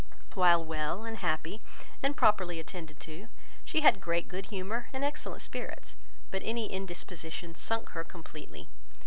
While well, and happy, and properly attended to, she had great good humour and excellent spirits; but any indisposition sunk her completely.